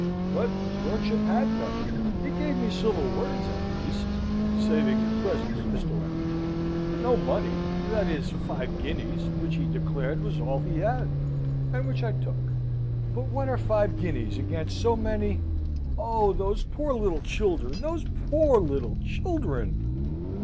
But his lordship had none. He gave me civil words, at least (saving your presence, Mr. Warrington), but no money that is, five guineas, which he declared was all he had and which I took. But what are five guineas amongst so many Oh, those poor little children! those poor little children!"